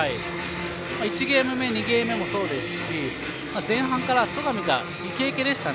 １ゲーム目２ゲーム目もそうですし前半から戸上がイケイケでしたね。